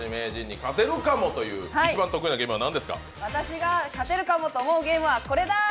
私が勝てるかもと思うゲームは、これだ！